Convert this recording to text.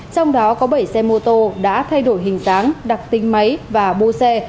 trong đó có bảy xe mô tô đã thay đổi hình dáng đặc tính máy và bô xe